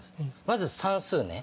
まず算数ね！